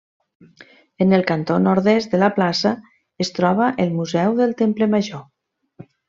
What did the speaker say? En el cantó nord-est de la plaça, es troba el Museu del Temple Major.